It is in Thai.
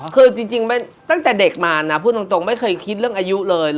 คือจริงตั้งแต่เด็กมานะพูดตรงไม่เคยคิดเรื่องอายุเลย